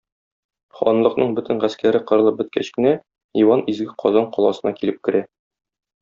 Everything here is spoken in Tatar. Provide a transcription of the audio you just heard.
Ханлыкның бөтен гаскәре кырылып беткәч кенә, Иван изге Казан каласына килеп керә.